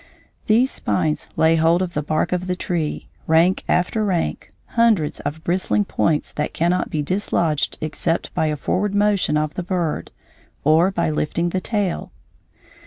These spines lay hold of the bark of the tree, rank after rank, hundreds of bristling points that cannot be dislodged except by a forward motion of the bird or by lifting the tail.